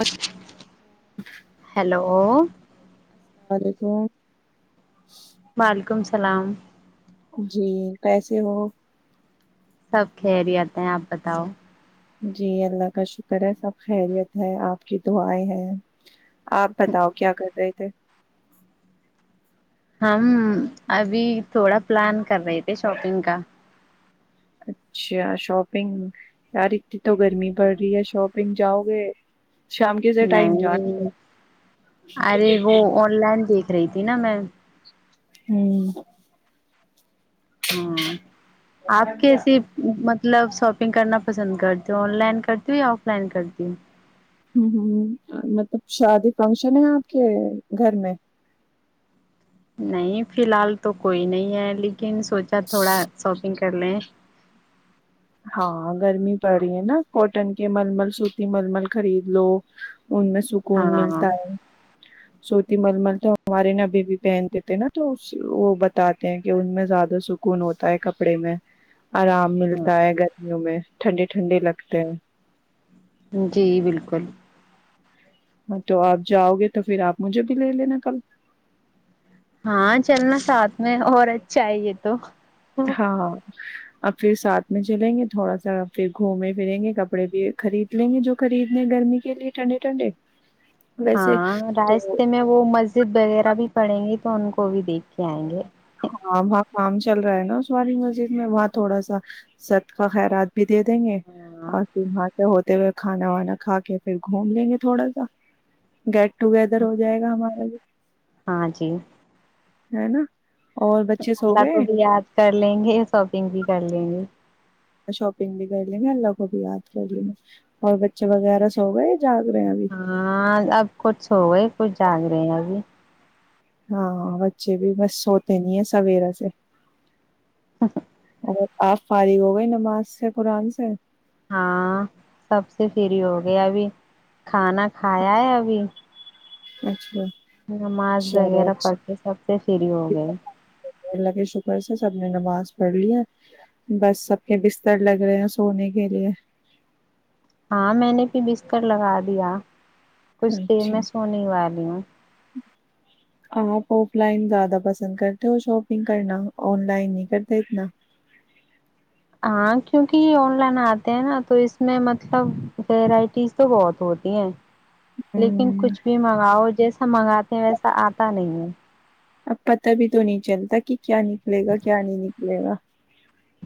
السلام علیکم ہیلو السلام علیکم مالک و علیکم السلام جی کیسے ہو سب خرییات ہیں آپ بتاؤ جی اللہ کا شکر ہے سب خیریت ہے آپ کی دعیں ہے آپ بتاؤ کیا کر رہے تو ہم ابھی تھوڑا پلان کر رہے تھے شاپنگ کا اچھا شاپنگ یاری تو گرمی پڑ رہی ہے شوپ پگ جاؤ گے شام کے سے ٹائم جانا پڑے۔ نہیں ارے وہ آن لائن دیک رہی تھی نا میں ہوں ہاں آپ کیسے مط مطلب شاپنگ کرنا پسند کرتی ہوں آن لائن کرتی ہوں یا آف لائن کرتی ہوں ہ ہ مطلب شادی فنکشن ہے آپ کے گھر میں نہیں فی الحال تو کوئی نہیں ہے لن ن سوچا تھوڑا شاپنگ کرنے ہاں گرمی پڑ رہی ہے نا کوٹن کے ململ سوتی ململ خرید لو ان میں ہاں سکون ملتا ہے سوتی مللمل تو ہمارے نا ابھی بھی پہنتے تھے نا تو وہ بتاتے ہیں کہ ان میں زیادہ سکون ہوتا ہے کپڑے میں آرام ہاں س گ وں میں ٹھنڈی ٹھنڈی لگتے ہیں جی بالکل تو آپ جاؤ گے تو پھر آپ مجھے بھی لے لینا کل ہاں چلنا ساتھ میں اور اچھا ہے یہ تو ہاںاں اب پھر ساتھ میں چلیں گے تھوڑا سا پھر گھومیں پھریں گے کپڑے بھی خرید لیں گے جو خریدنے گرمی کے لیے ٹھنڈے ٹھنڈے ویسے ہاں تو راستے میں وہ مسجد وغیرہ بھی پڑیں گی تو ان کو کو بھی دیکھ کے آئیں گے ہاں وہاں کام چل رہا ہے نا اس والاری مسجد میں وہاں تھوڑا سا سط کا خیرات بھی دے دیں گے ہاں اور تار سے ہو ہو کھانا وانا کھا کے پھر گھوم لیں گے تھوڑا سا گ ٹوگیدر ہو جائے گا ہمارا یہ ہاں جی ہے نا اور بچے سو اللہ گئے کو بھی یاد کر لیں گے شاپنگ بھی چلے گ شاپنگ بھی کر لیں گے اللہ کو بھی یاد کر لیں گے اور بچے وغیرہ سو گئے جاگ رہے ہیں ابھی ہاں اب کچھ ہو گئے کچ جانگ رہے ہیںب ہاں بچے بھی بس سوتے نہیں ہیں سویرا سے ا س آپ فارغ ہو گئے نماز سے قرآن سے ہاں سب سے فری ہو گیا ابھی کھانا کھایا ہے ابھی اچھا نماز چلو وغیرہ پڑ اچھا، کے سب سے فری ہو گئے اللہ کے شکر سے سب نے نماز پڑھ لی ہے بس سب کے بستر لگ رہے ہیں سونے کے لیے ہاں میں نے پھر بسکر لگا دیا کچھ دیر اچھا میں سونے والی ہوں آپ آف لائن زیادہ پسند کرتے ہو شاپنگ کرنا آن لائن نہیں کرتے اتنا ہاں کیونکہ یہ آن لائن آتے ہیں نا تو اس میں مطلب ویرائٹیز تو بہت ہوتی ہیں لیکن ہوں، کچھ بھی منگاؤ جیسا منگاتے ہیں ویسا آتا نہیں ہے پت بھی تو نہیں چلتا کہ کیا نکلے گا کیا نہیں نکلے گا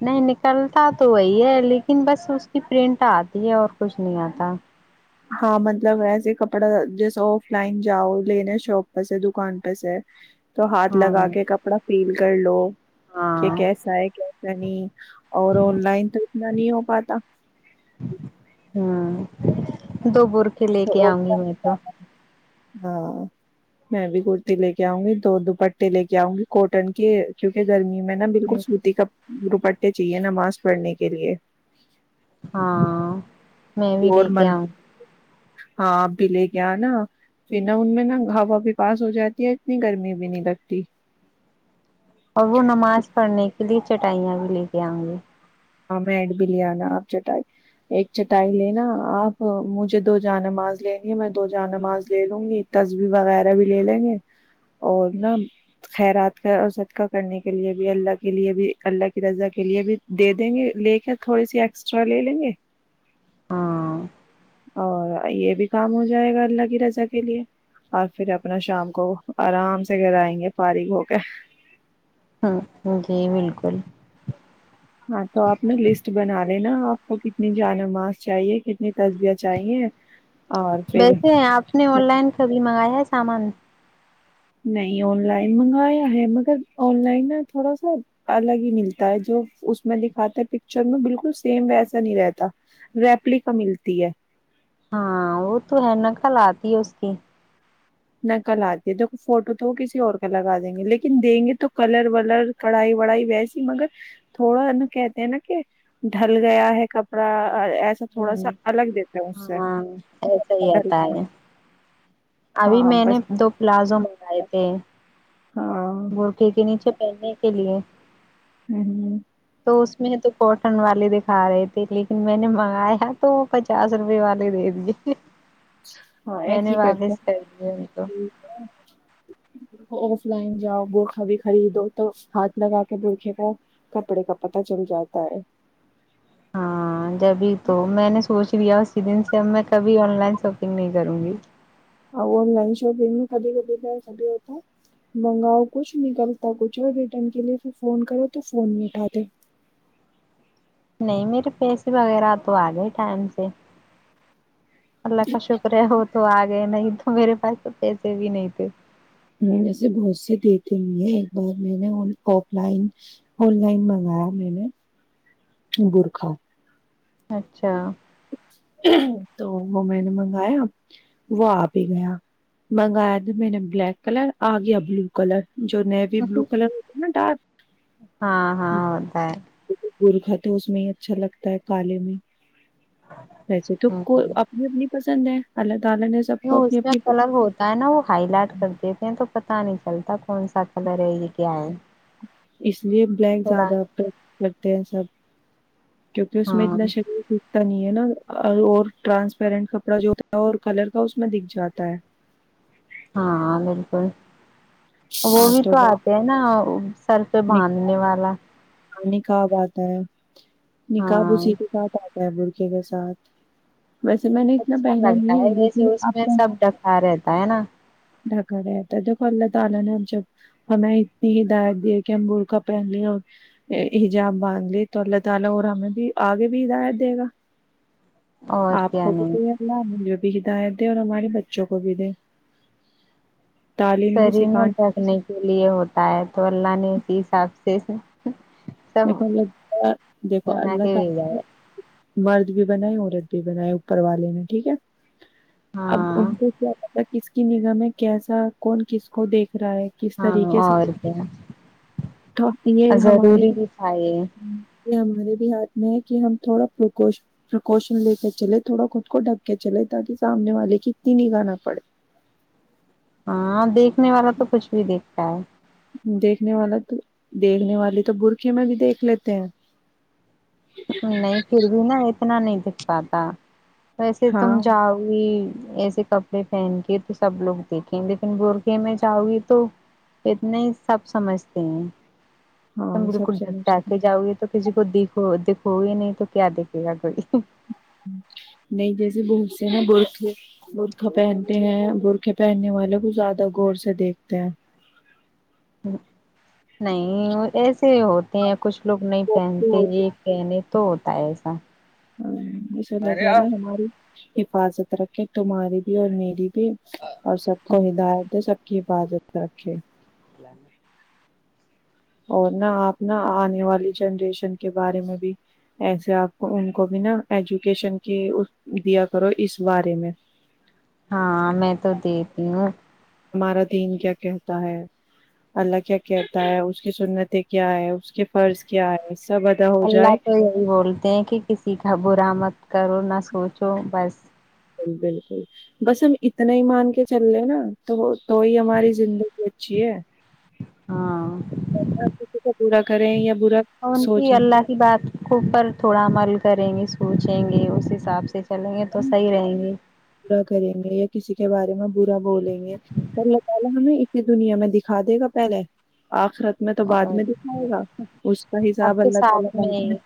نہیں نکلتا تو وہی ہے لیکن بس اس کی پرنٹ آتی ہے اور کچھ نہیں آتا ہاں مطلب ایسے کپڑا جیسا آف لائن جاؤ لینے شاپ پہ سے دکان پہ سے تو ہاتھ ہاں لگا کے کپڑا پیل ک لو کہ ہاں کیسا ہے کیسا نہیں اور آن لائن تو نا نہیں ہو پاتا ہوں دو بر اے لے کے تو آؤں آف گی میں تو لائن ہاں میں بھی کرتی لے کے آؤں گی دو دوپٹے لے کے آؤں گی کوٹن کے کیونکہ گرمی میں نے بالکل سوتی کپ دپٹے چاہیے ن ماسک پڑھنے کے لیئے ہاں میں بھی اور لے کے مل آؤں ہاں آپ بھی لے گیا نا پھر نا ان میں نا ہوا بھی پاس ہو جاتی ہے اتنی گرمی بھی نہیں لگتی پلی چٹائیا بھی لے کے آؤں گے ہاں میں ایڈ بھی لے آناا آپ چٹائی ایک چٹائی لینا آپ مجھے دو جانماز لینی ہے میں دو جان ماز لے لوں گی تصبیح وغیرہ بھی لے لیں گے اور نا خیرات کا اور صدقہ کرنے کے لے بھی اللہ کے لیے بھی اللہ کی رضا کے لیے بھی دے دیں گے لے کے تھوڑی سی ایکسٹرا لے لیں گے ہاں اور یہ بھی کام ہو جائے گا اللہ کی رضا کے لیے اور پھر اپنا شام کو آرام سے گرائیں گے فارغ ہو کے ہ جی بالکل ہاں تو آپ نے لسٹ بنا لینا آپ کو کتنی جانماز چاہیے کتنی تصبیہ چاہیے اور پھر بیسے ہیں آپ نے آن لائن کبھی منگایا ہے سامان نہیں آن لائن منگایا ہے مگر آن لائن ن تھوڑا سا الگ ہی ملتا ہے جو اس میں دکھاتا ہے پکچر میں بالکل سیم وسا نہیں رہتا ریپلی کا ملتی ہے ہاں وہ تو ہے ن کل آتی ہے اس کی نکل آتی ہے دیک فوٹو تو کسی اور کا لگا دیں گے لیکن دیں گے تو کلر ولر کڑھائی وڑائی ویسی مگر تھوڑا نا کہتے ہیں نا کہ ڈھل گیا ہے کپڑا ایسا تھوڑا سا ہوں الگ دیتا سے ہاں ایسا ہی آتا ہے ابھی ہاں میں نے بس دو پلازو منگائے پ ہاں گول کے کے نیچے کہنے کے لیے ہوں ہ تو اس میں تو کاٹن والے دکھا رہے تھے لیکن میں نے منگایا تو وہ پچاس روپے والے دےے جت ہاں میں ایسے نے ہی کرتے واگس کر دے ان تو ہیں آف لائن جاؤ برخہ بھی خریدو تو ہاتھ لگا کے برخے کو کپڑے کا پتہ چل جاتا ہے ہاں جبھی تو میں نے سوچ لیا ک دن سے اب میں کبھی آن لائن شاپنگ نہیں کروں گی ا آن لائن شاپنگ میں کبھی کبھی کبھی ہوتا منگاؤ کچھ نکلتا کچھ اور ریٹرن کے لیے پھر فون کرو تو فون نہیں اٹھاتے نہیں میرے پیسے وغیرہ تو آ گئے ٹائم سے اللہ کا شکریہ ہو تو آگے ن میرری پس پیسے بھی نہیں تھ ویسے بہت سے دیتے نہیں ہیں ایک بار میں نے آف لائن آن لائن منگایا میں نے برکھا اچھا تو وہ میں نے منگایا وہ آ بھی ہی گیا منگایا تو میں نے بلیک کلر آ گیا بلو کلر جو نیوی بلو کلر ہوتے نا ہاں ڈارک ہاں ہوتا ہے برکھا تو اس میں ہی اچھا لگتا ہے کالے میں ویسے تو کو ہ اپنی اپنی پسند ہے حالگ اس میں کلر ہوتا ہے نا وہ ہائی لائٹ کر دیتے ہیں تو پتا نہیں چلتا کون سا س کلری کیا ہے اس لیے بلیک تھوڑا زیادہریفر کرتے ہیں سب کیونکہ اس میں ہاں اتنا شریر سیکھتا نہیں ہے نا اور ٹرانسپیرنٹ کپڑا جو ہوتا ہے اور کلر کا اس میں دکھ جاتا ہے ہاں بالکل وہ ہاں بھی تو بس آتے ہیں نا سر پہ باندھنے والا ہم نے کہ بات ہے نکاحب ہاں اسی کے ساتھ آ برکے کے ساتھ ویسے میں نے اتنا اچھا پہنا لگتا نہیں ہے ویسے لیکن اس اب میں پہن- سب ڈکا رہتا ہے نا [inaudible] آپ کو کنی بھی اور کیا نہیں ہدایت دیں اور ہمارے بچوں کو بھی دے تعلیم بھی سری میں سکھانے رکھنے کے لیے ہوتا ہے تو اللہ نے اسی حساب سے [inaudible] سب بنا کے بھیجا ہے مرد بھی بنائے عورت بھی بنائے اوپر والے نے ٹھیک ہے اب ان ہاں کو کیا تھا کی نگمیں کیسا کون کس کو دیکھ رہا ہے کس ہاں طریقے سے اور کیا تو یہ ہمارے آ [unintelligible] یہ ہمارے بھی ہاتھ میں ہے کہ ہم تھوڑا پرکوش پرکوشن لے کے چلے تھوڑا خود کو ڈھک کے چلے تاکہ سامنے والے کی اتنی نہیں گانا پڑے ہاں دیک دیکھنے والا تو کچھ بھی دیکھتا ہے دیکھنے والا تو دیکھنے والی تو برکے میں بھی دیکھ لیتے ہیں نہیں پھر بھی نا اتنا نہیں دکھ پاتا ویسے ہاں تم جاؤ گی ایسے کپڑے پہن کے تو سب لوگ دیکھیں لیکن بورکے میں جاؤ گی تو اتنا ہی سب سمجھتے ہیں تم ہاں سب بالکل ڈھکٹا سمجھتے کے جاؤ گے تو کسی کو دیکھ وہ دیک [unintelligible] ہو ہی نہیں تو کیا دیکھے گا کوئی نہیں جیسے بہت ا برے برخے پہنتے ہیں برخے پہننے والے کو زیادہ غور سے دیکھتے ہیں نہیں وہ ایسے ہوتے ہیں کچھ لوگ نہیں پہنتے یہ پہنے تو ہوتا ہے ایسا بس اللہ تا لا ہے ہماری حفاظت رکھے تمہاری بھی اور میری بھی بھی اور سب کو ہدایت سب حفاظت رکھے اللہ [unintelligible] اور نہا آپ نا آنے والی جنریشن کے بارے میں بھی ایسے آپ کو ان کو بھی نا ایجوکیشن کی دیا کرو اس بارے میں ہاں میں تو دیکتی ہوں ہمارا دین کیا کہتا ہے اللہ کیا کہتا ہے اس کی سنتیں کیا ہے اس کے فرض کیا ہے سب ادا ہو اللہ جائے تو یہی بولتے ہیں کہ کسی کا برا مت کرو نہ سوچو بس بالکل بالکل، بس ہم اتنا ہی مان کے چل رہے نا تو تو ہی ہماری زندگی اچھی ہے ہاں کسی کو پورا کریں یا با اور ان کی سوچ ل اللہ کی بات کو پر تھوڑا عمل کریں گے سوچیں گے اس حساب سے چلیں گے تو صحیح رہیں گے بورا کریں گے یا کسی کے بارے میں برا بولیں گے اللہ تعالی ہمیں اسی دنیا میں دکھا دے گا پہلے آخرت میں تو بعد اور میں دکھائے گا اس کا حساب اب تو اللہ تعالی ساتھ بعد میں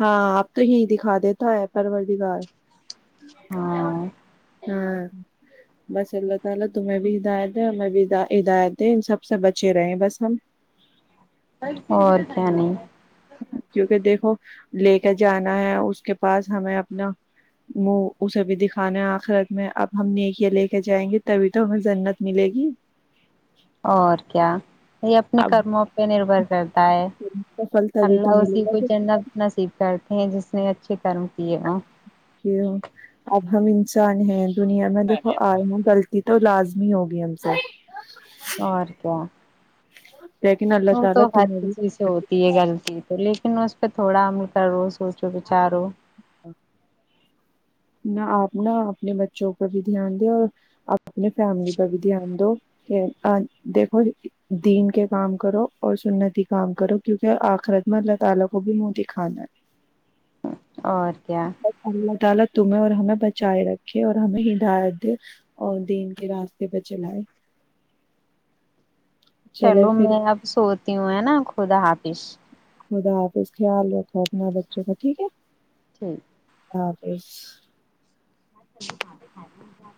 ہاں آپ تو ہی دکھا دیتا ہے پرور دیگار م تو کیا ہاں [unintelligible] ہاں بس اللہ تعالی تمہیں بھی ہدایت ہے ہمیں بھی ہدایت ہے ان سب سے بچے رہے بس ہم اور کیا نہیں کیونکہ دیکھو لے کے جانا ہے اس کے پاس ہمیں اپنا منہ اسے بھی دکھانا ہے خرت میں اب ہم نیک یا لے کے جائیں گے تبھی تو ہمیں جنت ملے گی اور کیا یہ اپنے اب کرموں پہ نربھر کرتا ہے کا پھل تبھی تو اللہ ملے اسی کو گا جنانا سھ کرتے ہیں جس نے اچھے کرم کیے ہوں ج ابام نان ہے دنیا میں دیکو آئے ہوں غلط تو لازمی ہوگی ہم سے اور کیا [inaudible] وہ تو تعالی ہر تمہیں بھی کسی سے ہوتی ہے غلطی تو لیکن اس پہ تھوڑا امل کا روس ہو چک چارو نہ آپ ن اپنے بچوں پر بھی دھیان دیں اور آپ اپنے فیملی پر بھی دھیان دو کہ دیکھو دین کے کام کرو اور سنتی کام کرو کیونکہ آخرت میں اللہ تعالی کو بھی منہتی کھانا ہے اور کیا الا تمہیں اور ہمیں بچائے رکھے اور ہمیں ہدایت دے اور دین کے راستے پہ چلائے چلے چلو پھر میں اب سوتی ہوں ہے نا خدا حافظ خدا حافظ خیال رکھو اپنا بچوں کا ٹھیک ہے ٹھیک تپ ے ک